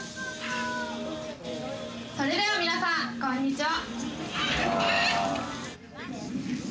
それでは皆さんこんにちは。